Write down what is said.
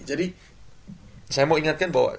jadi saya mau ingatkan bahwa